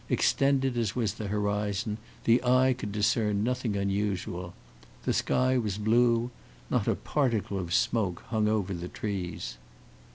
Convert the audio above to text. Extended as was the horizon, the eye could discern nothing unusual. The sky was blue; not a particle of smoke hung over the trees.